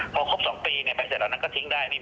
พอครบสองปีใบเสพรับเงินแล้วนั้นก็ทิ้งได้